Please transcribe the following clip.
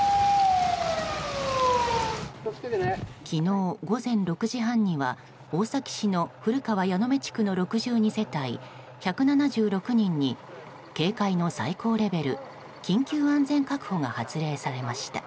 昨日午前６時半には大崎市の古川矢目地区の６２世帯１７６人に警戒の最高レベル緊急安全確保が発令されました。